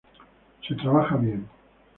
Se trabaja bien.